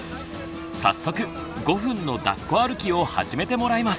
早速５分のだっこ歩きを始めてもらいます。